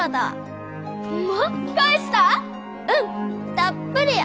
たっぷりや！